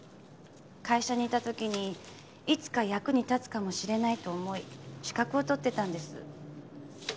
会社にいた時にいつか役に立つかもしれないと思い資格を取ってたんです。